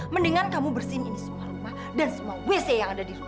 mendingan kamu bersin ini semua rumah dan semua wc yang ada di sini